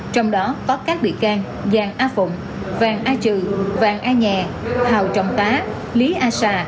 trong đó có các bị can giàng a phụng vàng a trừ vàng a nhà hào trọng tá lý a sà